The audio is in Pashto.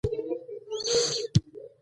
کار په جدیت سره پیل شو.